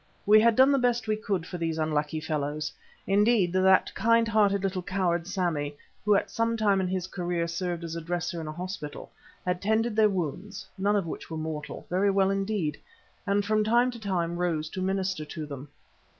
We had done the best we could for these unlucky fellows. Indeed, that kind hearted little coward, Sammy, who at some time in his career served as a dresser in a hospital, had tended their wounds, none of which were mortal, very well indeed, and from time to time rose to minister to them.